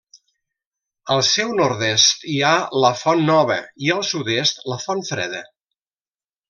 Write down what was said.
Al seu nord-est hi ha la Font Nova, i al sud-est, la Fontfreda.